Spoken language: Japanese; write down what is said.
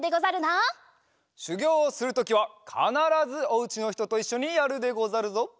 しゅぎょうをするときはかならずおうちのひとといっしょにやるでござるぞ。